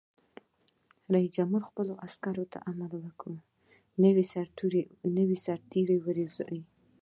رئیس جمهور خپلو عسکرو ته امر وکړ؛ نوي سرتېري وروزیئ!